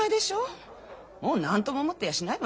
もう何とも思ってやしないわよ。